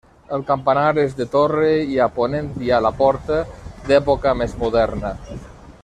El campanar és de torre i a ponent hi ha la porta, d'època més moderna.